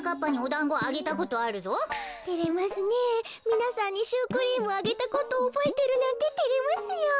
みなさんにシュークリームあげたことおぼえてるなんててれますよ。